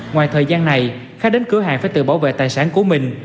ngoài thời gian này khách đến cửa hàng phải tự bảo vệ tài sản của mình